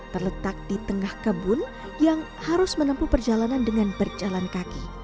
terletak di tengah kebun yang harus menempuh perjalanan dengan berjalan kaki